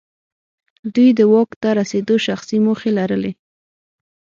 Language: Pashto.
دوی د واک ته رسېدو شخصي موخې لرلې.